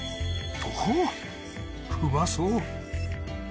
おぉうまそう！